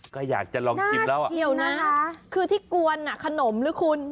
ก็อยากจะลองชิมแล้วคือที่กวนคนนมหรือคุณ